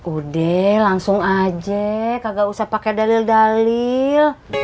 udah langsung aja kagak usah pake dalil dalil